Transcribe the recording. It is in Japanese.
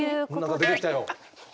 何か出てきたよ。